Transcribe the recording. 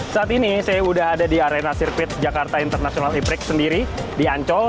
saat ini saya sudah ada di arena sirkuit jakarta international e prix sendiri di ancol